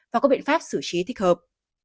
và có biện pháp xử trí thích hợp